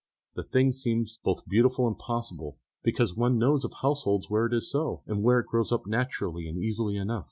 The thing seems both beautiful and possible, because one knows of households where it is so, and where it grows up naturally and easily enough.